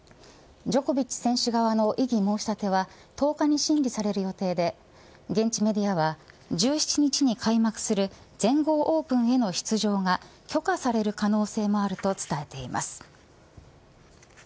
ジョコビッチ選手側の異議申し立ては１０日に審理される予定で現地メディアは１７日に開幕する全豪オープンへの出場が許可される可能性もあると伝えています。